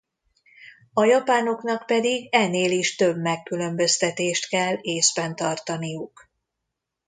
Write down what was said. A japánoknak pedig ennél is több megkülönböztetést kell észben tartaniuk.